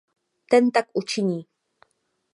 Ten tak učiní.